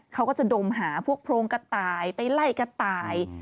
เขาก็จะดมหาพวกโพรงกระต่ายไปไล่กระต่าย